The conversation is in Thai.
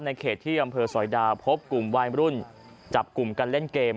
เขตที่อำเภอสอยดาวพบกลุ่มวัยรุ่นจับกลุ่มกันเล่นเกม